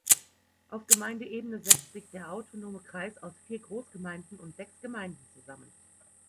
Auf Gemeindeebene setzt sich der autonome Kreis aus vier Großgemeinden und sechs Gemeinden zusammen.